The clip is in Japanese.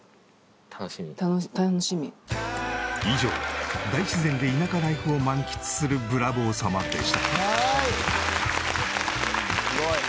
以上大自然で田舎ライフを満喫するブラボー様でした。